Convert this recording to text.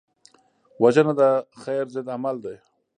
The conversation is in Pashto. وژنه د خیر ضد عمل دی